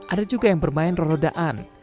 ada juga yang bermain rodaan